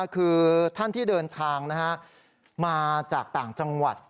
คือท่านที่เดินทางมาจากต่างจังหวัด